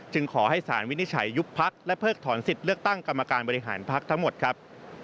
ขอให้สารวินิจฉัยยุบพักและเพิกถอนสิทธิ์เลือกตั้งกรรมการบริหารพักทั้งหมดครับ